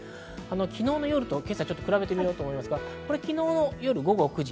昨日の夜と今朝を比べてみようと思いますが、昨日の夜、午後９時。